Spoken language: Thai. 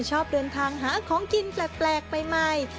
ชอบเดินทางหาของกินแปลกใหม่